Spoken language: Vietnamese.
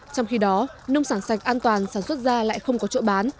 trong khi đó nông sản sạch an toàn sản xuất ra lại không có chỗ bán